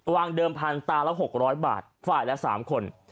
เดิมพันตาละ๖๐๐บาทฝ่ายละ๓คน